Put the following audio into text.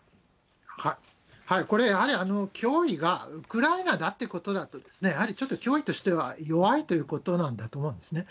これやはり、脅威がウクライナだってことだと、やはりちょっと脅威としては弱いということなんだと思うんですね。